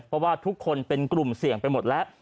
เพราะว่าทุกคนเป็นกลุ่มเสี่ยงไปหมดแล้ว